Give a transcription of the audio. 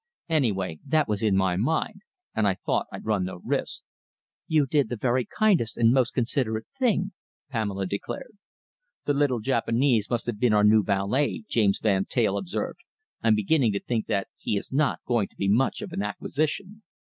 Anyway, that was in my mind, and I thought I'd run no risks." "You did the very kindest and most considerate thing," Pamela declared. "The little Japanese must have been our new valet," James Van Teyl observed. "I'm beginning to think that he is not going to be much of an acquisition."